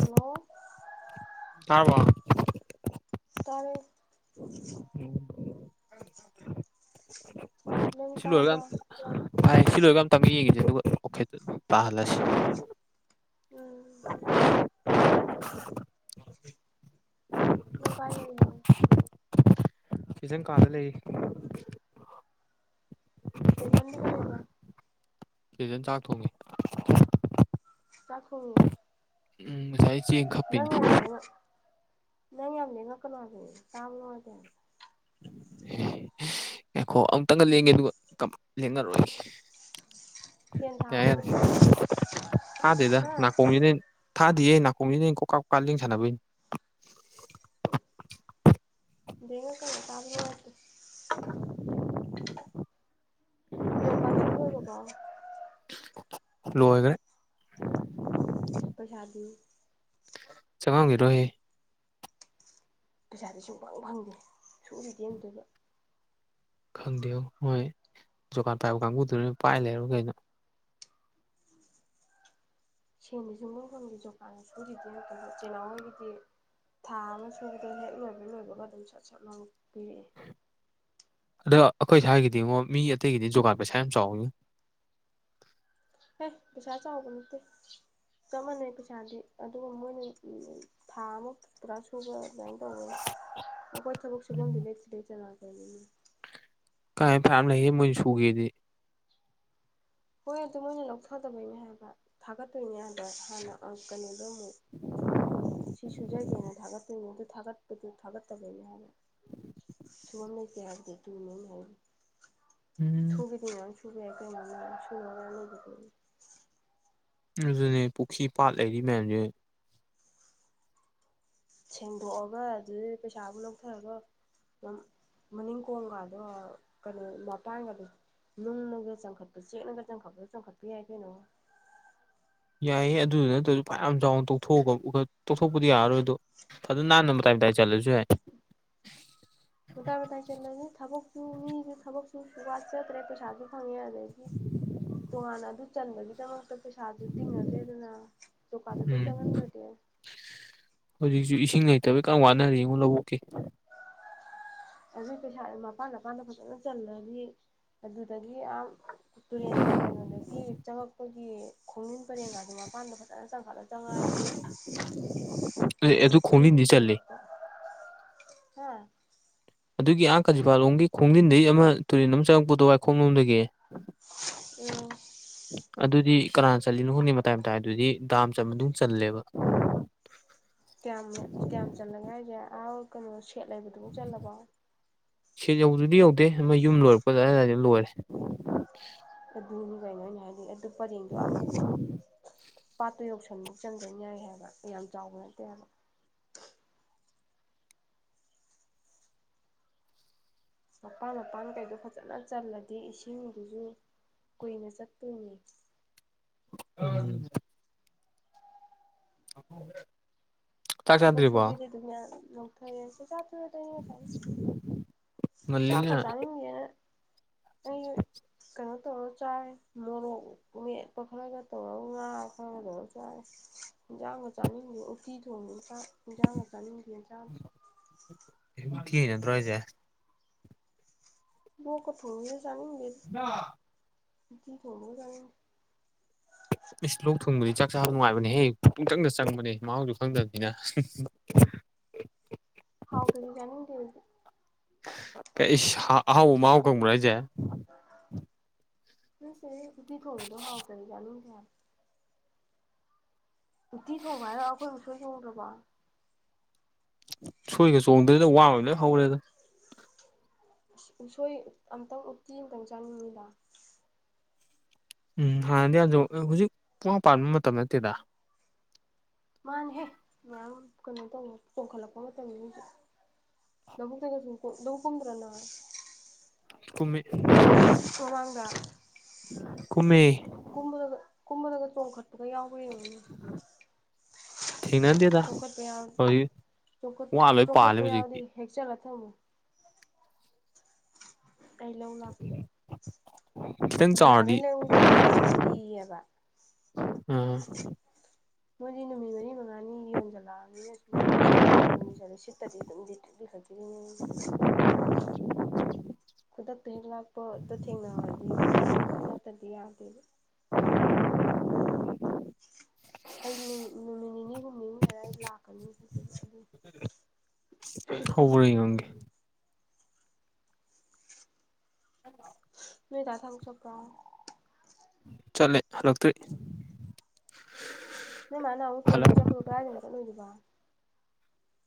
Hello ꯇꯥꯔꯕꯣ ꯇꯥꯔꯦ [unintelligible] ꯅꯪ ꯁꯤ ꯂꯣꯏꯔꯒ ꯇꯥꯕ꯭ꯔꯣ [unintelligible] ꯁꯤ ꯂꯣꯏꯔꯒ ꯑꯝꯇꯪꯒ ꯌꯦꯡꯒꯤꯖꯦ ꯑꯗꯨꯒ ꯑꯣꯀꯦ ꯇꯥꯍꯜꯂꯁꯤ ꯎꯝ [inaudible] ꯅꯪ ꯀꯥꯏ ꯂꯩꯅꯣ [unintelligible] ꯀꯥꯗ ꯂꯩ [unintelligible] ꯀꯩꯗꯧꯏꯕ [unintelligible] ꯆꯥꯛ ꯊꯣꯡꯉꯤ ꯆꯥꯛ ꯊꯣꯡꯉꯤꯌꯦ [unintelligible] ꯅꯪ ꯌꯥꯝ ꯂꯦꯡꯉꯛ ꯅꯪ ꯌꯥꯝ ꯂꯦꯡꯉꯛꯀꯅꯣ ꯍꯥꯏꯕꯅꯦ ꯇꯥꯕ ꯅꯨꯡꯉꯥꯏꯇꯦ [unintelligible] ꯉꯥꯏꯈꯣ ꯑꯃꯨꯛꯇꯪꯒ ꯂꯦꯡꯒꯦ ꯑꯗꯨꯒ ꯂꯦꯡꯉꯔꯣꯏ [unintelligible] ꯐꯦꯟ ꯀꯩ ꯊꯥꯕ꯭ꯔꯣ ꯍꯥꯏꯅꯣ ꯇꯥꯗꯦꯗ ꯍꯥ ꯅꯥꯀꯣꯡ [unintelligible] ꯊꯥꯗꯤꯌꯦ ꯅꯥꯀꯣꯡꯖꯤꯗ ꯑꯩꯅ ꯀꯣ ꯀꯥ ꯀꯥ ꯂꯦꯡ ꯁꯅꯕꯅꯤ [unintelligible] ꯖꯣ ꯀꯥꯠ ꯁꯨ ꯂꯣꯏꯔꯕꯣ ꯂꯣꯏꯒꯔꯦ ꯄꯩꯁꯥꯗꯤ ꯆꯪꯉꯥꯡꯈꯤꯔꯣꯏꯍꯦ ꯄꯩꯁꯥꯗꯤ ꯁꯨꯡꯐꯪ ꯐꯪꯗꯦ ꯁꯨꯔꯤꯗꯤ ꯑꯝꯇꯥ ꯑꯣꯏꯕ ꯈꯪꯗꯦꯉꯣ ꯃꯣꯏ ꯖꯣꯀꯥꯠ ꯄꯥꯏꯕ ꯀꯥꯡꯕꯨꯗꯨ ꯄꯥꯏ ꯂꯩꯔꯕ ꯀꯩꯅꯣ ꯁꯦꯟꯕꯗꯤ ꯁꯨꯡꯐꯪ ꯐꯪꯗꯦ ꯖꯣꯀꯥꯟ ꯁꯨꯔꯤꯗꯦ ꯅꯠꯇꯕ ꯆꯦꯅꯥꯎꯡ ꯍꯣꯏꯒꯤꯗꯤ ꯊꯥ ꯑꯃ ꯁꯨꯕꯗ ꯍꯦꯛ ꯅꯣꯏꯕ ꯅꯣꯏꯕꯒ ꯑꯗꯨꯝ ꯁꯣꯠ ꯁꯣꯠꯅꯕ ꯄꯤꯔꯛꯑꯦ ꯑꯗꯣ ꯑꯩꯈꯣꯏ ꯁ꯭ꯋꯥꯏꯒꯤꯗꯤꯡꯉꯣ ꯃꯤ ꯑꯇꯩꯒꯤꯗꯤ ꯌꯣꯀꯥꯟ ꯄꯩꯁꯥ ꯌꯥꯝ ꯆꯥꯎꯋꯏꯤ ꯍꯦ ꯄꯩꯁꯥ ꯆꯥꯎꯕ ꯅꯠꯇꯦ ꯆꯞ ꯃꯥꯟꯅꯩ ꯄꯩꯁꯥꯗꯤ ꯑꯗꯨꯒ ꯃꯣꯏꯅ ꯊꯥ ꯑꯃ ꯄꯨꯔꯥ ꯁꯨꯕ [unintelligible] ꯀꯃꯥꯏꯅ ꯐꯅꯥꯝ ꯂꯩꯒꯦ ꯃꯣꯏꯅ ꯁꯨꯒꯦꯗꯤ ꯍꯣꯏ ꯑꯗꯨ ꯃꯣꯏꯅ ꯂꯧꯊꯗꯕꯩꯅꯦ ꯍꯥꯏꯕ ꯊꯥꯒꯠꯇꯣꯏꯅꯦ ꯍꯥꯏꯕꯗꯣ ꯍꯥꯟꯅ ꯑꯥ ꯀꯩꯅꯣꯗ ꯑꯃꯨꯛ ꯁꯤꯁꯨ ꯖꯒꯦꯅ ꯊꯥꯒꯠꯇꯣꯏꯅꯦ ꯑꯗꯨ ꯊꯥꯒꯠꯄꯗꯨ ꯊꯥꯒꯠꯇꯕꯅꯦ ꯍꯥꯏꯕ ꯁꯨꯝ ꯂꯩꯇꯦ ꯍꯥꯏꯗꯦ ꯇꯅꯦ ꯍꯥꯏ ꯎꯝ ꯁꯨꯒꯦꯗꯤ ꯃꯌꯥꯝ ꯁꯨꯕ ꯌꯥꯏ ꯀꯩꯅꯣ ꯁꯨꯅꯕ ꯃꯌꯥꯝ ꯂꯩꯗꯨꯗꯤ ꯑꯗꯨꯅꯦ ꯄꯨꯈ꯭ꯔꯤ ꯄꯥꯠ ꯂꯩꯔꯤ ꯃꯌꯥꯝꯖꯦ ꯁꯦꯡꯗꯣꯛꯑꯒ ꯑꯗꯨ ꯄꯩꯁꯥꯕꯨ ꯂꯧꯊꯔꯒ ꯑꯗꯨꯝ ꯃꯅꯤꯡ ꯀꯣꯝꯒꯗꯣ ꯀꯩꯅꯣ ꯃꯇꯥꯟꯒꯗꯣ ꯅꯨꯡꯅꯒ ꯆꯟꯈꯠꯄ ꯆꯦꯛꯅꯒꯖꯪꯈꯠꯄ ꯆꯪꯈꯠꯄ ꯌꯥꯏ ꯀꯩꯅꯣ ꯌꯥꯏꯌꯦ ꯑꯗꯨꯗꯨ ꯅꯠꯇ꯭ꯔꯁꯨ ꯐ ꯌꯥꯝ ꯆꯥꯎꯅ ꯇꯧꯊꯣꯛꯑꯒ ꯇꯣꯛꯊꯣꯛꯄꯗꯤ ꯌꯥꯔꯔꯣꯏꯗꯣ ꯐꯖꯥꯅ ꯅꯟꯅꯥ ꯃꯇꯥꯏ ꯃꯇꯥꯏ ꯆꯠꯂꯁꯨ ꯌꯥ ꯃꯇꯥꯏ ꯃꯇꯥꯏ ꯆꯠꯂꯒꯦ ꯊꯕꯛꯁꯨꯨ ꯃꯤꯗꯨ ꯊꯕꯛꯁꯨꯨ ꯋꯥ ꯆꯠꯇ꯭ꯔꯦ ꯄꯩꯁꯥꯥꯁꯦ ꯐꯪꯉꯦ ꯑꯗꯩꯗꯤ ꯇꯣꯉꯥꯟꯅ ꯑꯗꯨ ꯆꯟꯕꯒꯤꯗꯃꯛꯇ ꯄꯩꯁꯥꯁꯨ ꯇꯤꯡꯅꯗ꯭ꯔꯦꯗꯅ ꯖꯣꯀꯥꯟꯗꯨꯗ ꯎꯝ ꯆꯪꯍꯟꯒꯗꯦ ꯍꯧꯖꯤꯛꯁꯨ ꯏꯁꯤꯡ ꯂꯩꯇꯕꯩ ꯀꯟꯅꯥ ꯋꯥꯅꯔꯤ ꯉꯣ ꯂꯧꯕꯨꯛꯀꯤ ꯑꯗꯨꯒꯤ ꯄꯩꯁꯥꯗꯨ ꯃꯄꯥꯟ ꯃꯄꯥꯟꯗ ꯐꯖꯅ ꯆꯜꯂꯅꯤ ꯑꯗꯨꯗꯒꯤ ꯌꯥꯝ ꯇꯨꯔꯦꯟ ꯀꯩꯅꯣꯗꯒꯤ ꯆꯪꯉꯛꯄꯒꯤ ꯈꯣꯡꯅꯨꯡꯟ ꯄꯔꯦꯡꯒꯗꯨ ꯃꯄꯥꯟꯗ ꯐꯖꯅ ꯆꯪꯈꯠꯂꯒ ꯆꯪꯉꯥꯑꯗꯤ ꯑꯦ ꯑꯗꯨ ꯏꯁꯤꯡ ꯈꯣꯡꯖꯤꯟꯗꯤ ꯆꯜꯂꯤ ꯍꯥ ꯑꯗꯨꯒꯤ ꯑꯍꯥꯡ ꯀꯖꯤꯄꯥꯂꯣꯝꯒꯤ ꯈꯣꯡꯖꯤꯟꯗꯩ ꯑꯃ ꯇꯨꯔꯦꯟ ꯑꯃ ꯆꯪꯉꯛꯄꯗꯣ ꯋꯥꯏꯈꯣ ꯂꯣꯝꯗꯒꯤ ꯎꯝ ꯑꯗꯨꯗꯤ ꯀꯅꯥ ꯆꯠꯂꯤꯅꯣ ꯈꯪꯗꯦꯍꯣ ꯃꯇꯥꯏ ꯃꯇꯥꯏ ꯑꯗꯨꯗꯤ ꯗꯥꯝ ꯆꯟꯕ ꯑꯗꯨꯝ ꯆꯜꯂꯦꯕ ꯀꯌꯥꯝ ꯀꯌꯥꯝ ꯆꯜꯂꯒꯦ ꯍꯥꯏꯁꯦ ꯑꯥꯥꯎ ꯀꯩꯅꯣ ꯁꯦꯠ ꯂꯩꯕꯗꯨꯐꯧ ꯆꯜꯂꯕꯣ ꯁꯦꯠ ꯌꯧꯗꯨꯗꯤ ꯌꯧꯗꯦ ꯑꯃ ꯌꯨꯝ ꯂꯣꯏꯔꯛꯄ ꯑꯗꯥꯏꯗ ꯂꯣꯏꯔꯦ ꯑꯗꯨꯅꯤ ꯀꯩꯅꯣꯅꯦ ꯍꯥꯏꯗꯤ ꯑꯗꯨ ꯄꯔꯦꯡꯗꯣ ꯑꯥꯕꯎ ꯄꯥꯠꯇꯨ ꯌꯧꯁꯟꯕꯧ ꯆꯪꯖꯟ ꯌꯥꯏ ꯍꯥꯏꯕ ꯌꯥꯝ ꯆꯥꯎꯕ ꯅꯠꯇꯦ ꯍꯥꯏꯕ ꯃꯄꯥꯟ ꯃꯄꯥꯟ ꯀꯩꯗꯣ ꯐꯖꯅ ꯆꯜꯂꯗꯤ ꯏꯁꯤꯡꯗꯨꯖꯨ ꯀꯨꯏꯅ ꯆꯠꯇꯣꯏꯅꯤ ꯎꯝ [unintelligible] ꯆꯥꯛ ꯊꯕꯛ ꯆꯥꯗ꯭ꯔꯤꯕꯣ ꯁꯨꯕꯤꯗꯦ ꯑꯗꯨꯅꯌꯥ ꯂꯧꯛꯊꯔꯁꯦ [unintelligible] ꯆꯥꯛ ꯉꯜꯂꯤꯅ ꯆꯥꯅꯤꯡꯗꯦꯅ ꯑꯩ ꯀꯩꯅꯣ ꯇꯧꯔꯦ ꯆꯥꯏ ꯃꯣꯔꯣꯛ ꯃꯦꯠꯄ ꯈꯔꯒ ꯇꯧꯔꯒ ꯉꯥ ꯈꯔ ꯂꯧꯔ ꯆꯥꯏ ꯍꯤꯟꯖꯥꯡꯒ ꯆꯥꯅꯤꯡꯗꯦ ꯎꯇꯤ ꯊꯣꯡ ꯏꯟꯁꯥꯡ ꯏꯟꯖꯥꯡꯒ ꯆꯥꯅꯤꯡꯗꯦ ꯆꯥꯗ꯭ꯔꯦ [unintelligible] ꯅꯠꯇ꯭ꯔꯣ ꯍꯥꯏꯖꯦ ꯂꫭꯛꯀ ꯊꯨꯡꯕꯒꯤ ꯆꯥꯅꯤꯡꯗꯦ ꯏꯃꯥ ꯎꯇꯤ ꯊꫭꯡꯕꯒ ꯆꯥꯅꯤꯡꯗꯦ ꯏꯁ ꯂꯣꯛ ꯊꯨꯡꯕꯗꯤ ꯆꯥꯛ ꯆꯥꯕ ꯅꯨꯡꯉꯥꯏꯕꯅꯦ ꯍꯦ ꯄꯨꯡꯆꯪꯗ ꯆꯪꯕꯅꯦ ꯃꯍꯥꯎꯖꯨ ꯈꯪꯗꯕꯅꯤꯅ ꯍꯥꯎꯇꯗꯤ ꯆꯥꯅꯤꯡꯗꯦ ꯑꯩꯗꯤ ꯀꯩ ꯏꯁ ꯍꯥꯎꯕ ꯃꯍꯥꯎ ꯈꯪꯕ꯭ꯔꯥ ꯍꯥꯏꯖꯦ ꯅꯠꯇꯦ ꯍꯦ ꯎꯇꯤ ꯊꯣꯛꯗ ꯍꯥꯎꯇ꯭ꯔꯥꯗꯤ ꯆꯥꯅꯤꯡꯗꯦ ꯍꯥꯏ ꯎꯠꯇꯤ ꯊꯣꯡꯕ ꯍꯥꯏꯔ ꯑꯩꯈꯣꯏ ꯎꯁꯣꯏ ꯆꯣꯡꯗ꯭ꯔꯥꯕꯣ ꯎꯁꯣꯏꯒ ꯆꯣꯡꯗꯦꯗ ꯋꯥ ꯑꯣꯏ ꯂꯣꯏ ꯍꯧꯔꯦꯗ ꯎꯁꯣꯏ ꯑꯝꯇꯪ ꯎꯇꯤ ꯑꯝꯇꯪ ꯆꯥꯅꯤꯡꯉꯤꯗ ꯎꯝ ꯍꯥꯟꯅꯗꯤ ꯌꯥꯝ ꯆꯣꯡ ꯍꯨꯖꯤꯛ ꯋꯥ ꯄꯥꯟꯕ ꯃꯇꯝ ꯅꯠꯇꯦꯗ ꯃꯥꯅꯦꯍꯦ ꯃꯌꯥꯝ ꯀꯩꯅꯣ ꯇꯧꯕ ꯆꯣꯡꯈꯠꯂꯛꯄ ꯃꯇꯝꯅꯦ ꯍꯨꯖꯤꯛ ꯂꯕꯨꯛꯇꯒ ꯁꯨꯝ ꯂꯧ ꯀꯨꯝꯗ꯭ꯔ ꯅꯪ ꯀꯨꯝꯃꯤ ꯃꯃꯥꯡꯗ ꯀꯨꯝꯃꯦ ꯀꯨꯝꯕꯗꯒ ꯀꯨꯝꯕꯗꯒ ꯆꯣꯡꯈꯠꯄꯒ ꯌꯥꯎꯕ꯭ꯔꯥ ꯌꯦꯡꯉꯨꯅꯦ ꯊꯦꯡꯅꯗꯦ ꯆꯣꯡꯈꯠꯄ ꯌꯥꯎ ꯋꯥ ꯂꯣꯏ ꯄꯥꯜꯂꯦ ꯆꯣꯡꯈꯠꯄ ꯌꯥꯎꯔꯗꯤ ꯍꯧꯖꯤꯛꯇꯤ ꯍꯦꯛꯆꯜꯂ ꯊꯝꯃꯨ ꯑꯩ ꯂꯧ ꯂꯥꯛꯀꯦ ꯈꯤꯇꯪ ꯆꯥꯎꯔꯗꯤ ꯕꯖꯥꯗꯩ ꯂꯩꯕꯗꯨꯗꯤ ꯌꯥꯝ ꯂꯤ ꯍꯥꯏꯕ ꯑꯥ ꯃꯣꯏꯗꯤ ꯅꯨꯨꯃꯤꯠ ꯃꯔꯤ ꯃꯉꯥꯅꯤ ꯌꯣꯟꯖꯜꯂꯛꯑꯕꯅꯤꯅ ꯁꯨꯝ [unintelligible] ꯈꯨꯗꯛꯇ ꯍꯦꯛ ꯂꯛꯄꯗꯣ ꯊꯦꯡꯅꯍꯧꯔꯗꯤ ꯍꯥꯎꯋꯦ ꯅꯠꯇꯗꯤ ꯌꯥꯗꯦꯕ [unintelligible] ꯑꯩ ꯅꯨꯃꯤꯠ ꯅꯤꯅꯤ ꯍꯨꯝꯅꯤ ꯂꯩꯔ ꯑꯩ ꯂꯥꯛꯀꯅꯤ ꯑꯗꯨ [unintelligible] ꯍꯩꯕ꯭ꯔꯥ ꯌꯦꯡꯉꯝꯒꯦ [unintelligible] ꯅꯣꯏ ꯗꯥ ꯊꯕꯛ ꯆꯠꯄ꯭ꯔꯥ ꯆꯠꯂꯦ ꯍꯜꯂꯛꯇ꯭ꯔꯤ ꯅꯣꯏ ꯃꯥꯥ ꯅꯍꯥꯟꯃꯨꯛ ꯇ꯭ꯔꯦꯅꯤꯡ ꯍꯜꯂꯛ ꯆꯠꯄꯗꯣ ꯀꯗꯥꯏꯗꯅꯣ ꯆꯠꯂꯨꯕꯗꯣ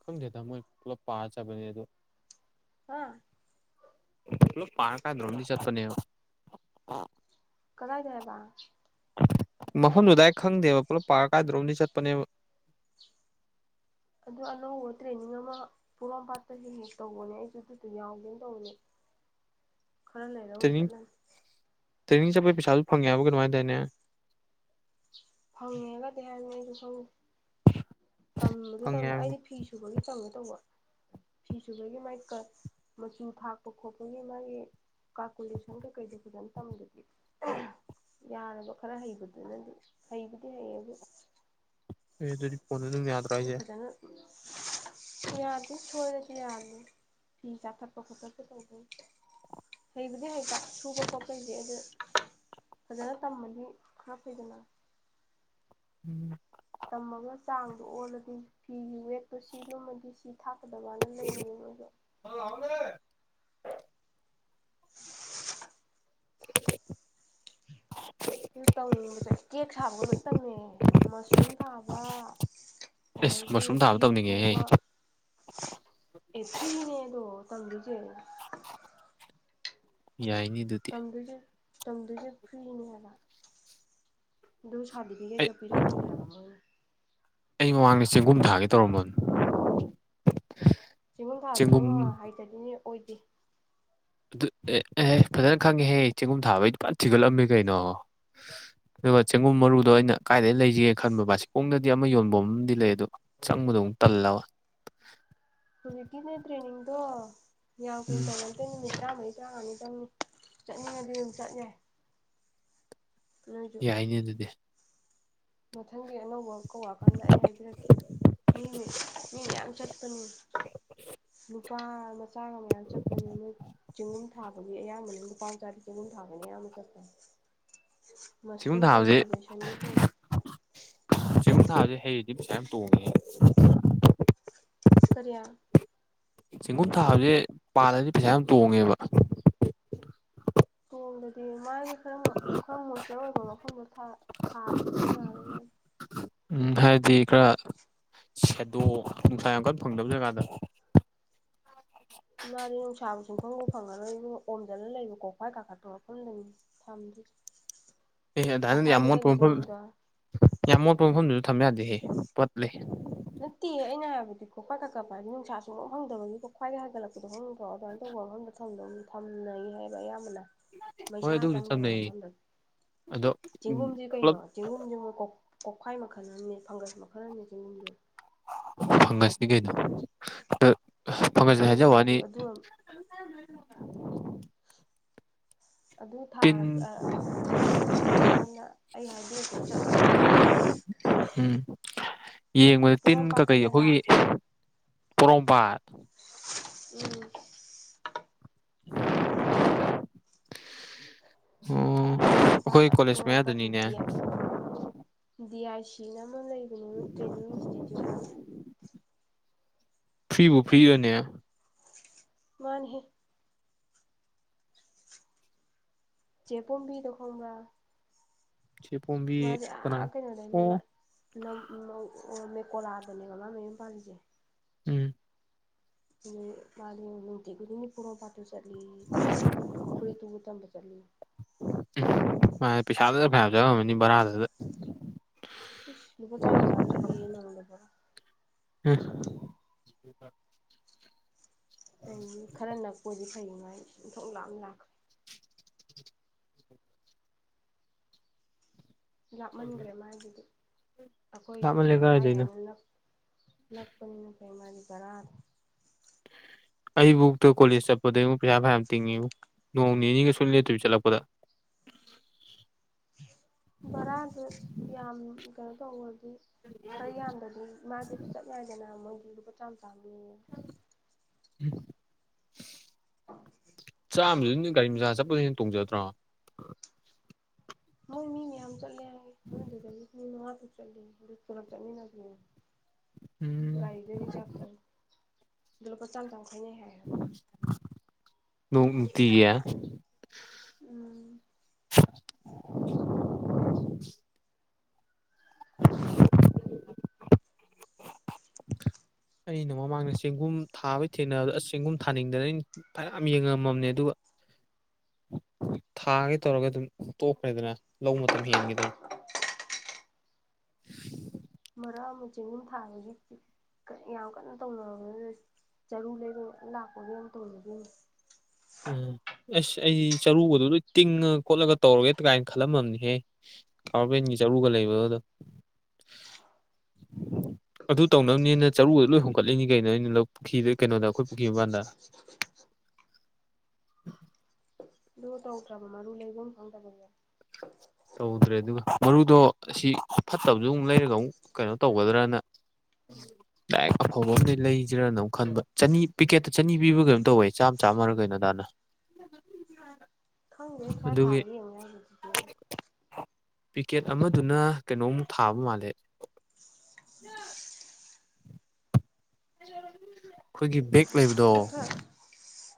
ꯈꯪꯗꯦꯗ ꯃꯣꯏ ꯄꯨꯂꯞ ꯄꯥ ꯆꯠꯄꯅꯦ ꯑꯗꯣ ꯍꯥ ꯄꯨꯂꯞ ꯄꯥꯔ ꯀꯥꯏꯗꯅꯣꯝꯗꯤ ꯆꯠꯄꯅꯦꯕ ꯀꯗꯥꯏꯗ ꯍꯥꯏꯕ ꯃꯐꯝꯗꯨ ꯗꯥꯏꯔꯦꯛ ꯈꯪꯗꯦꯕ ꯄꯨꯂꯞ ꯄꯥꯔ ꯀꯥꯏꯗꯅꯣꯝꯗꯤ ꯆꯠꯄꯅꯦꯕ ꯑꯗꯨ ꯑꯅꯧꯕ ꯇ꯭ꯔꯦꯅꯤꯡ ꯑꯃ ꯈꯣꯡꯉꯥꯝꯄꯥꯠꯇ ꯍꯦꯛ ꯍꯦꯛ ꯇꯧꯕꯅꯦ ꯑꯩꯖꯨ ꯑꯗꯨꯗꯨ ꯌꯥꯎꯒꯦꯅ ꯇꯧꯕꯅꯦ [inaudible] ꯈꯔ ꯂꯩꯔ ꯑꯣꯏ ꯇ꯭ꯔꯦꯅꯤꯡ ꯆꯠꯂꯅꯤ ꯇ꯭ꯔꯦꯅꯤꯡ ꯆꯠꯄꯩ ꯄꯩꯁꯥꯖꯨ ꯐꯪꯉꯦ ꯍꯥꯏꯕ꯭ꯔꯥ ꯀꯩꯅꯣꯝ ꯍꯥꯏꯗꯥꯏꯅꯦ ꯐꯪꯉꯦꯒꯗꯤ ꯍꯥꯏꯕꯅꯤ ꯑꯩꯗꯤ ꯈꯪꯗꯦ ꯇꯝꯕꯗꯨ ꯐꯪꯉꯦ ꯇꯝ ꯍꯥꯏꯕꯅꯤ ꯑꯩꯗꯤ ꯐꯤ ꯁꯨꯕꯒꯤ ꯇꯝꯒꯦ ꯇꯧꯕ ꯐꯤ ꯁꯨꯕꯒꯤ ꯃꯥꯏ ꯒꯤ ꯃꯆꯨ ꯊꯥꯛꯄ ꯈꯣꯠꯄꯒꯤ ꯃꯥꯒꯤ ꯀꯥꯜꯀꯨꯂꯦꯁꯟ ꯀꯩꯀꯩꯗ ꯐꯖꯅ ꯇꯝꯗꯥꯗꯤ ꯌꯥꯔꯕ ꯈꯔ ꯍꯩꯕꯗꯨꯅꯗꯤ ꯍꯩꯕꯨꯗꯤ ꯍꯩꯌꯦꯕꯨ ꯑꯦ ꯑꯗꯨꯗꯤ ꯐꯣꯟꯗ ꯑꯗꯨꯝ ꯌꯥꯗ꯭ꯔꯥ ꯍꯥꯏꯁꯦ [unintelligible] ꯌꯥꯗꯦ ꯁꯣꯏꯔꯗꯤ ꯌꯥꯅꯦ ꯐꯤ ꯆꯥ ꯊꯠꯄ ꯈꯣꯠ ꯇꯠꯄ ꯇꯧꯕꯩ ꯍꯩꯕꯨꯗꯤ ꯍꯩꯕ ꯁꯨꯕ ꯈꯣꯠ ꯄꯩꯗꯤ ꯑꯗꯨ ꯐꯖꯅ ꯇꯝꯃꯗꯤ ꯈꯔꯥ ꯐꯩꯗꯅ ꯎꯝ ꯇꯝꯃꯒ ꯆꯥꯡꯗꯣ ꯑꯣꯜꯂꯗꯤ ꯐꯤꯒꯤ ꯋꯦꯠꯇꯣ ꯁꯤ ꯂꯨꯝꯃꯗꯤ ꯁꯤ ꯊꯥꯛꯀꯗꯕꯅ ꯂꯩꯔꯤꯅꯦ ꯃꯣꯏꯁꯨ [unintelligible] [unintelligible] ꯑꯗꯨ ꯇꯧꯅꯤꯡꯕꯁꯦ ꯀꯦꯛ ꯁꯥꯕꯒ ꯂꯣꯏ ꯇꯝꯅꯤꯡ ꯉꯦ ꯃꯁꯔꯨꯝ ꯊꯥꯕ ꯑꯦꯁ ꯑꯗꯩꯗꯤ ꯃꯁꯔꯨꯝ ꯊꯥꯕ ꯐꯤ ꯇꯧꯅꯤꯡꯉꯦꯍꯦ ꯇꯨꯕ ꯑꯦ ꯐ꯭ꯔꯤꯅꯦ ꯑꯗꯣ ꯇꯝꯗꯨꯏꯖꯦ ꯌꯥꯏꯅꯤ ꯑꯗꯨ ꯇꯝꯗꯨꯣꯏꯖꯦ ꯇꯝꯗꯣꯏꯖꯦ ꯐ꯭ꯔꯤꯅꯦ ꯍꯥꯏꯕ ꯑꯗꯨꯝ ꯑꯩ ꯁꯥꯔꯇꯤꯐꯤꯀꯦꯠꯀ ꯄꯤꯔꯛꯇꯣꯏꯅꯦ ꯍꯥꯏꯕ ꯃꯣꯏ ꯑꯩ ꯃꯃꯥꯡꯗ ꯆꯦꯡꯒꯨꯝ ꯊꯥꯒꯦ ꯇꯧꯔꯝꯃꯝꯅꯦ ꯆꯦꯡꯒꯨꯝ ꯊꯥꯗꯨꯕꯨ ꯏꯕꯨꯉꯣ ꯍꯩꯇꫪꯗꯤꯅꯦ ꯑꯣꯏꯗꯦ ꯑꯗꯨ ꯑꯦꯍꯦ ꯐꯖꯅ ꯈꯪꯉꯦꯍꯦ ꯆꯦꯡꯒꯨꯝ ꯊꯥꯕꯩꯗꯤ ꯐꯖꯅ ꯊꯤꯒꯠꯂꯝꯃꯦ ꯀꯩꯅꯣ ꯑꯗꯨꯒ ꯆꯦꯡꯒꯨꯝ ꯃꯔꯨꯗꯣ ꯑꯩꯅ ꯀꯥꯏꯗꯩ ꯂꯩꯖꯤꯒꯦ ꯈꯟꯕ ꯕꯥꯁꯤꯈꯣꯡꯗꯗꯤ ꯑꯃ ꯌꯣꯟꯕꯝ ꯑꯃꯗꯤ ꯂꯩ ꯑꯗꯣ ꯆꯪꯕꯗꯣ ꯑꯃꯨꯛ ꯇꯜꯂꯕ ꯍꯧꯖꯤꯛꯀꯤꯅꯦ ꯇ꯭ꯔꯦꯅꯤꯡꯗꯣ ꯌꯥꯝ ꯎꯝ ꯀꯨꯏꯅ [unintelligible] ꯑꯇꯩ ꯅꯨꯃꯤꯠ ꯇꯔꯥꯃꯔꯤ ꯇꯔꯉ ꯅꯤ ꯆꯪꯅꯤ ꯆꯠꯅꯤꯡꯉꯗꯤ ꯑꯗꯨꯝ ꯆꯠ ꯌꯥꯏ ꯅꯣꯏꯁꯨ ꯌꯥꯏꯅꯦ ꯑꯗꯨꯗꯤ ꯃꯊꯪꯒꯤ ꯑꯅꯧꯕ ꯀꯧꯔꯀꯥꯟꯗ ꯑꯩ ꯍꯥꯏꯖꯔꯛꯀꯦ ꯃꯤ ꯃꯤ ꯃꯤ ꯃꯌꯥꯝ ꯆꯠꯄꯅꯤ [inaudible] [unintelligible] ꯃꯆꯥꯒ ꯃꯌꯥꯝ ꯆꯠꯄꯅꯦ [unintelligible] ꯆꯦꯡꯒꯨꯝ ꯊꯥꯕꯒꯤ ꯑꯌꯥꯝꯕꯅ ꯂꯨꯄꯥ ꯃꯆꯥꯗꯤ ꯆꯦꯡꯒꯨꯝ ꯊꯥꯕꯅꯤ ꯑꯌꯥꯝꯕ ꯆꯠꯄꯅꯦ ꯆꯦꯡꯒꯨꯝ ꯃꯁꯔꯨꯝ ꯊꯥꯕꯁꯦ ꯀꯜꯇꯤꯚꯦꯁꯟꯒꯤ ꯇꯧ ꯆꯦꯡꯒꯨꯝ ꯊꯕꯖꯦ ꯍꯩꯔꯥꯗꯤ ꯄꯩꯁꯥ ꯌꯥꯝ ꯇꯣꯡꯑꯦ ꯍꯦ ꯀꯔꯤꯌꯥ ꯆꯦꯡꯒꯨꯝ ꯊꯥꯕꯁꯦ ꯄꯥꯜꯂꯗꯤ ꯄꯩꯁꯥ ꯌꯥꯝ ꯇꯣꯡꯉꯦꯕ ꯇꯣꯡꯗꯗꯤ ꯃꯥꯒꯤ ꯈꯔ ꯈꯔ ꯃꯣꯏꯆꯔ ꯑꯣꯏꯕ ꯃꯐꯝꯗꯣ ꯊꯥ ꯊꯥꯗꯗꯤ ꯌꯥꯔꯣꯏ [unintelligible] ꯎꯝ ꯍꯥꯏꯕꯗꯤ ꯈꯔ ꯁꯦꯗꯣ ꯅꯨꯡꯁꯥ ꯌꯥꯝ ꯀꯟ ꯐꯪꯗꯕ ꯖꯒꯥꯗ ꯃꯥꯥꯗꯤ ꯅꯨꯡꯁꯥꯕꯨ ꯁꯨꯡꯐꯪ ꯕꯨ ꯐꯪꯉꯥꯔꯣꯢ ꯏꯕꯨꯉꯣ ꯑꯣꯝꯖꯜꯂ ꯂꯩꯕ ꯀꯣꯐꯥꯏ ꯀꯥꯈꯠꯄ ꯝꯐꯝꯗꯅꯤ ꯊꯝꯗꯤ ꯑꯗꯥꯏ ꯅꯥꯗꯤ ꯌꯥꯝ ꯃꯣꯠꯄ ꯃꯐꯝ ꯆꯦꯡꯒꯨꯝꯗꯣ ꯌꯥꯝ ꯃꯣꯠꯄ ꯃꯐꯝꯗꯁꯨ ꯊꯝ ꯌꯥꯗꯦꯍꯦ ꯄꯠꯂꯦ ꯅꯠꯇꯦ ꯑꯩꯅ ꯍꯥꯏꯕꯗꯤ ꯀꯣꯐꯥꯏ ꯀꯀꯛꯂꯛꯄ ꯍꯥꯏꯗꯤ ꯅꯨꯡꯁꯥ ꯁꯨꯡꯐꯪ ꯐꯪꯗꯕꯒꯤ ꯀꯣꯛꯐꯥꯏ ꯒ ꯍꯥꯏꯒꯠꯂꯛꯄꯗꯣ ꯈꯪꯗꯔꯣ ꯑꯗꯥꯏ ꯇꯧꯕ ꯃꯐꯝ ꯗꯣ [unintelligible] ꯊꯝꯅꯩ ꯍꯥꯏꯕ ꯑꯌꯥꯝꯕꯅ ꯍꯣꯏ ꯃꯩꯁꯥ ꯑꯗꯨꯕꯨꯗꯤ ꯆꯪꯗꯕ ꯊꯝꯅꯩꯌꯦ ꯃꯐꯝꯗ ꯑꯗꯣ ꯆꯦꯡꯒꯨꯝꯁꯤ ꯄꯨꯂꯞ ꯀꯩꯅꯣ ꯆꯦꯡꯒꯨꯝꯖꯦ ꯃꯣꯢ ꯀꯣꯛꯈꯥꯏ ꯃꯈꯜ ꯑꯃꯅꯤ ꯐꯪꯒꯁ ꯃꯈꯜ ꯑꯃꯅꯤꯅꯦ ꯆꯦꯡꯒꯨꯝꯁꯨ ꯐꯪꯒꯁꯅꯤ ꯀꯩꯅꯣ ꯑ ꯐꯪꯒꯁꯅꯦ ꯑꯗꯨꯅ ꯉꯥꯁꯨ ꯍꯥꯏꯖꯋꯥꯅꯤ ꯑꯗꯨ ꯑꯗꯨ ꯊꯥ ꯇꯤꯟ ꯑꯥ ꯇ꯭ꯔꯦꯅꯤꯡꯗꯣ ꯍꯧꯔꯛꯑꯀꯥꯟꯗ ꯑꯩ ꯍꯥꯏꯕꯤꯔꯛꯀꯦ ꯆꯠꯂꯨ ꯑꯗꯨꯗ ꯎꯝ ꯌꯦꯡꯕꯗ ꯇꯤꯟ ꯀꯩ ꯀꯩ ꯄꯣꯔꯣꯝꯄꯥꯠꯇꯅꯦꯕ ꯑꯩꯈꯣꯏꯒꯤ ꯄꯣꯔꯣꯡꯄꯥꯠ ꯎꯝ꯫ ꯑꯣ ꯑꯩꯈꯣꯏ ꯄꯣꯔꯣꯝꯄꯥꯠꯇ ꯀꯣꯂꯦꯖ ꯃꯌꯥꯗꯅꯤꯅꯦ ꯄꯣꯔꯣꯝꯄꯥꯠꯇꯗꯤ ꯗꯤ ꯑꯥꯏ ꯁꯤꯅ ꯑꯃ ꯂꯩ ꯀꯩꯅꫭ ꯃꯥ ꯇ꯭ꯔꯦꯅꯤꯡ ꯏꯟꯇꯤꯇꯌꯨꯠ ꯑꯃ ꯐ꯭ꯔꯤꯕꯨ ꯐ꯭ꯔꯤ ꯔꯥꯅꯦ ꯃꯥꯅꯤꯍꯦ ꯆꯦ ꯇꫭꯝꯕꯤꯗꯣ ꯈꯪꯕ꯭ꯔꯥ ꯆꯦꯄꯣꯝꯕꯤ ꯃꯥꯁꯦ ꯀꯅꯥ ꯑ ꯀꯩꯅꯣꯗꯩꯅꯦꯕ ꯑꯣ ꯅꯥꯝ ꯃꯧ ꯑꫭ ꯃꯦꯀꯣꯂꯥꯗꯅꯦꯕ ꯃꯥ ꯃꯌꯨꯝ ꯄꯥꯜꯂꯤꯁꯦ ꯎꯝ꯫ ꯑ ꯃꯥꯅꯦ ꯅꯨꯡꯇꯤ ꯈꯨꯗꯤꯡꯒꯤ ꯄꯣꯔꯣꯝꯄꯥꯥꯠꯇꯨ ꯆꯠꯂꯤ ꯁꯦꯝꯅ ꯇꯝꯕ ꯐꯨꯔꯤꯠꯇꯨꯕꯨ ꯇꯝꯕ ꯆꯠꯂꯤ ꯎꯝ ꯃꯥꯅꯦ ꯄꯩꯁꯥꯗꯨꯗ ꯐꯌꯥꯝ ꯆꯪꯉꯝꯃꯅꯤ ꯕꯔꯥꯗꯨꯗ ꯏꯁ ꯂꯨꯄꯥ ꯆꯝꯃꯥ ꯆꯝꯃꯥ ꯆꯠꯂꯦꯌꯦ ꯅꫭꯡꯃꯗ ꯕ꯭ꯔꯥ ꯑꯦ ꯇꯥꯏꯝꯃꯤꯡ ꯈꯔ ꯅꯛꯄ ꯑꫭꯏꯗꯤ ꯐꯩ ꯗꯨꯃꯥꯏ ꯏꯟꯊꯣꯛꯅ ꯂꯥꯞꯅ ꯂꯥꯛꯈ꯭ꯔꯦ ꯂꯥꯞꯃꯟꯈ꯭ꯔꯦ ꯃꯥꯒꯤꯗꯤ ꯑꯩꯈꯣꯏꯗꯤ ꯂꯥꯞꯃꯜꯂꯦ ꯍꯥꯏ ꯀꯥꯏꯗꯩꯅꯣ ꯍꯥꯏꯅ ꯅꯥꯛ ꯅꯥꯛꯄꯅꯤꯅ ꯐꯩ ꯃꯥꯗꯤ ꯕꯔꯥꯗꫭ ꯑꯩꯕꯨꯛꯇ ꯀꯣꯂꯦꯖ ꯆꯠꯄꯗ ꯌꯦꯡꯉꯨ ꯄꯩꯁꯥ ꯐꯅꯌꯥꯝ ꯇꯤꯡꯉꯤꯕꯨ ꯅꯣꯡ ꯅꯤꯅꯤꯒ ꯁꯨꯂꯦꯞ ꯂꯦꯞꯇꯥꯕꯤ ꯆꯠꯂꯛꯄꯗ ꯕꯔꯥꯗꯨ ꯌꯥꯝ ꯀꯩꯅꯣ ꯇꯧꯔꯗꯤ ꯈꯔ ꯌꯥꯝꯗ꯭ꯔꯥꯗꯤ ꯃꯥꯥꯗꯤ ꯆꯞ ꯌꯥꯗꯦꯅ ꯃꯣꯏꯗꯤ ꯂꯨꯄꯥ ꯆꯥꯝꯃ ꯆꯥꯝꯃꯅꯦ ꯎꯝ [unintelligible] ꯆꯥꯝꯃꯗꯨꯅ ꯒꯥꯔꯤ ꯃꯆꯥ ꯆꯠꯄꯅ ꯍꯦꯟ ꯇꯣꯡꯖꯥꯗ꯭ꯔꯣ ꯃꯣꯏ ꯃꯤ ꯃꯌꯥꯝ ꯆꯠꯂꯦ ꯍꯥꯏ ꯃꯣꯏ ꯑꯗꯨꯗꯒꯤ ꯃꯤ ꯃꯉꯥ ꯇꯥꯔꯨꯛ ꯆꯠꯂꯦ ꯑꯗꯨ ꯄꯨꯂꯥꯞ ꯆꯠꯃꯤꯟꯅꯁꯦ ꯎꯝ ꯒꯥꯔꯤꯗ ꯔꯤꯖꯥꯕ ꯇꯣꯌꯦ ꯑꯗꯨ ꯂꯨꯄꯥ ꯆꯝꯃꯥ ꯆꯝꯃꯥ ꯈꯥꯏꯅꯩ ꯍꯥꯏ ꯍꯥꯏꯕ ꯅꯣꯡꯇꯤꯒꯤ ꯎꯝ꯫ [inaudible] ꯑꯩꯅ ꯃꯃꯥꯡꯗ ꯆꯦꯡꯒꯨꯝ ꯊꯥꯕꯩ ꯊꯦꯡꯅꯕꯗꫭ ꯑꯁ ꯆꯦꯡꯒꯨꯝ ꯊꯥꯅꯤꯡꯗꯅꯅꯤ ꯐꯅꯌꯥꯝ ꯌꯦꯡꯉꯝꯃꯝꯅꯦ ꯑꯗꯨꯒ ꯊꯥꯒꯦ ꯇꯧꯔꯒ ꯑꯗꯨꯝ ꯇꯣꯛꯈ꯭ꯔꯦꯗꯅ ꯂꯧ ꯃꯇꯝ ꯍꯦꯟꯈꯤꯗꯅ [inaudible] ꯃꯔꯛ ꯑꯃꯨ ꯆꯦꯡꯒꯨꯝ ꯊꯥꯕꯒꯤ ꯀꯩ ꯌꯥꯝ ꯀꯟꯅ ꯇꯧꯅꯔꯝ [unintelligible] ꯆꯔꯨ ꯂꯩꯔꯣ ꯂꯥꯛꯄꯒꯤ ꯌꯥꯝ ꯇꯧꯅꯈꯤꯝꯅꯦ ꯎꯝ ꯑꯁ ꯑꯩ ꯆꯔꯨꯒꯗꯨ ꯂꯣꯏ ꯇꯤꯡꯉ ꯈꯣꯠꯂꯒ ꯇꯧꯔꯒꯦ ꯀꯥꯏ ꯈꯜꯂꯝꯃꯕꯅꯤꯍꯦ ꯀꯥ ꯎꯄꯦꯟꯒꯤ ꯆꯔꯨꯒ ꯂꯩꯕꯗꯨꯗ ꯑꯗꯨ ꯇꯧꯅꯕꯅꯦꯅ ꯆꯔꯨꯒꯗꫭ ꯂꯣꯏ ꯍꯣꯡꯒꯠꯂꯤꯅꯤ ꯀꯩꯅꯣ ꯑꯩꯅ ꯂꯧ ꯄꯨꯈ꯭ꯔꯤꯗꯤ ꯀꯩꯅꯣꯗ ꯑꯩꯈꯣꯏ ꯄꯨꯈ꯭ꯔꯤ ꯃꯄꯥꯟꯗ [inaudible] ꯑꯗꯨꯒ ꯇꯧꯗ꯭ꯔꯥꯕ ꯃꯔꯨ ꯂꯩꯐꯝ ꯈꯪꯗꯕꯒꯤ ꯇꯧꯗ꯭ꯔꯦ ꯑꯗꯨꯒ ꯃꯔꯨꯗꯣ ꯁꯤ ꯐꯠꯇꯕꯁꯨ ꯑꯃꯨꯛ ꯂꯩꯔꯒ ꯑꯃꯨꯛ ꯀꯩꯅꯣ ꯇꯧꯒꯗ꯭ꯔꯥꯅ [unintelligible] ꯗꯥꯏꯔꯦꯛꯠ ꯑꯐꯕ ꯑꯝꯅꯦ ꯂꯩꯖꯤꯔꯅꯃꯨꯛ ꯈꯟꯕ ꯆꯥꯅꯤ ꯄꯤꯀꯦꯠꯇ ꯆꯥꯅꯤ ꯄꯤꯕ ꯀꯩꯅꯣꯝ ꯇꯧꯏ ꯆꯥꯝꯃ ꯆꯥꯝꯃꯔꯒ ꯀꯩꯅꯣꯗꯥꯏꯅ [unintelligible] ꯊꯪꯒꯦ ꯈ꯭ꯔꯔ ꯊꯥ ꯌꯦꯉꯥꯗꯤ ꯄꯤꯀꯦꯠ ꯑꯃꯗꯨꯅ ꯀꯩꯅꯣꯃꯨꯛ ꯊꯥꯕ ꯃꯥꯜꯂꯦ ꯑꯩꯈꯣꯏꯒꯤ ꯕꯦꯛ ꯂꯩꯕꯗꯣ ꯑꯗꯨ ꯈꯔ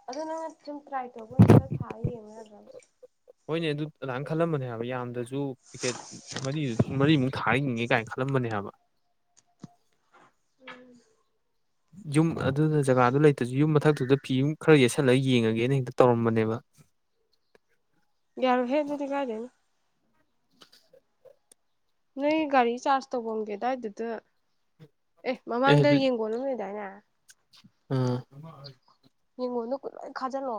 ꯑꯗꯨ ꯅꯪꯅ ꯁꯨꯝ ꯇ꯭ꯔꯥꯏ ꯇꯧꯕ ꯑꯣꯏꯅ ꯈꯔ ꯊꯥꯔ ꯌꯦꯡꯌꯦ ꯌꯥꯗ꯭ꯔꯕ ꯍꯣꯏꯅꯦ ꯑꯗꯠ ꯅꯥꯌꯟ ꯈꯜꯂꯝꯕꯅꯦ ꯍꯥꯏꯕ ꯌꯥꯝꯗꯖꯨ ꯄꯤꯀꯦꯠ ꯃꯔꯤꯗꯨ ꯃꯔꯤꯃꯨꯛ ꯊꯥꯉꯦ ꯀꯥꯏꯅ ꯈꯜꯂꯝꯕꯅꯦ ꯍꯥꯏꯕ ꯎꯝ ꯌꯨꯝ ꯑꯗꯨꯗ ꯖꯒꯥꯗꯨ ꯂꯩꯇ꯭ꯔꯁꯨ ꯌꯨꯝ ꯃꯊꯛꯇꯨꯗ ꯐꯤ ꯌꯨꯝ ꯈꯔ ꯌꯦꯠꯁꯜꯂꯒ ꯌꯦꯡꯉꯒꯦꯅ ꯍꯦꯛꯇ ꯇꯧꯔꯝꯕꯅꯦꯕ ꯌꯥꯔꯣꯏ ꯍꯦ ꯑꯗꯨꯗꯤ ꯀꯥꯏꯗꯩꯅꯣ ꯅꯣꯏ ꯒꯥꯔꯤ ꯆꯥꯔꯖ ꯇꯧꯐꯝꯒꯦꯗꯥꯏꯗꯨꯗ ꯑꯦ ꯃꯃꯥꯡꯗ ꯌꯦꯡꯒꯣꯜ [unintelligible] ꯂꯩꯗꯥꯏꯅꯦ ꯑꯝ ꯌꯦꯡꯒꯣꯟꯗꯣ [unintelligible] ꯂꯣꯏꯅ ꯈꯥꯖꯜꯂꯣ